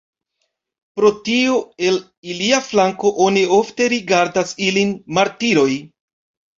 Pro tio, el ilia flanko oni ofte rigardas ilin martiroj.